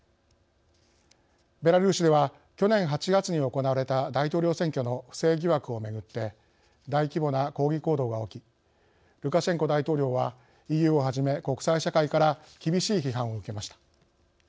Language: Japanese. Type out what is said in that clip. ベラルーシでは去年８月に行われた大統領選挙の不正疑惑をめぐって大規模な抗議行動が起きルカシェンコ大統領はＥＵをはじめ国際社会から厳しい批判を受けました。